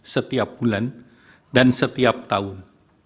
setiap bulan dan setiap tahun